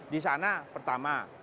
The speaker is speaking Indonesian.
di sana pertama